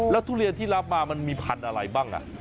ทุเรียนที่รับมามันมีพันธุ์อะไรบ้าง